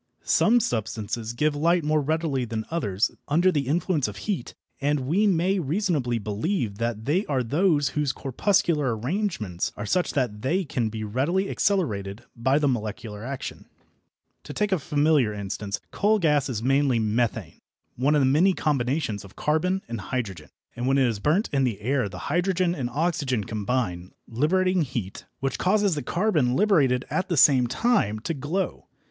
Some substances give light more readily than others, under the influence of heat, and we may reasonably believe that they are those whose corpuscular arrangements are such that they can be readily accelerated by the molecular action. The glow worm is an example of the few exceptions. To take a familiar instance, coal gas is mainly "methane," one of the many combinations of carbon and hydrogen, and when it is burnt in air the hydrogen and oxygen combine, liberating heat, which causes the carbon liberated at the same time to glow.